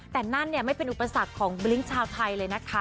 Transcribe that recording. แต่นั่นไม่เป็นอุปสรรคของบลิ้งชาวไทยเลยนะคะ